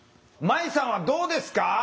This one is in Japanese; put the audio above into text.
まいさんはどうですか？